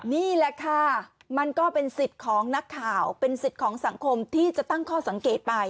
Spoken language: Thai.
นี่แหละค่ะมันก็เป็นสิทธิ์ของนักข่าวเป็นสิทธิ์ของสังคมที่จะตั้งข้อสังเกตไป